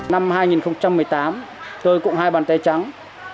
năm hai nghìn một mươi tám tôi cũng hai bàn tay trắng